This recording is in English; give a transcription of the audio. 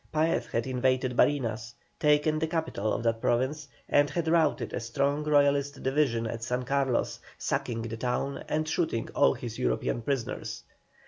Paez had invaded Barinas, taken the capital of that province, and had routed a strong Royalist division at San Carlos, sacking the town and shooting all his European prisoners.